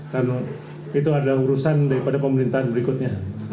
karena itu adalah urusan daripada pemerintahan berikutnya